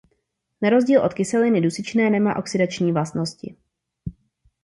Na rozdíl od kyseliny dusičné nemá oxidační vlastnosti.